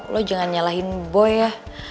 lo jangan nyalahin boy ya